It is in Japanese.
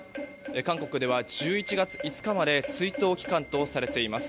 韓国では、１１月５日まで追悼期間とされています。